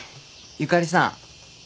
ゆかりさん。